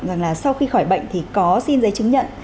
rằng là sau khi khỏi bệnh thì có xin giấy chứng nhận